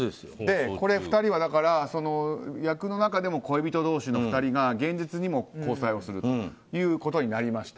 役の中でも恋人同士の２人が現実にも交際をするということになりました。